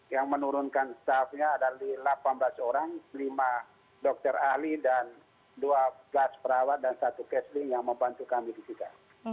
yang menurunkan staffnya adalah delapan belas orang lima dokter ahli dan dua belas perawat dan satu caseling yang membantu kami di kita